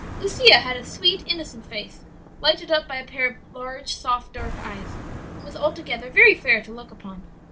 "Lucia had a sweet, innocent face, lighted up by a pair of large, soft, dark eyes, and was altogether very fair to look upon.